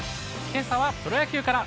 けさはプロ野球から。